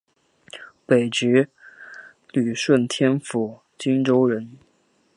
北直隶顺天府蓟州人。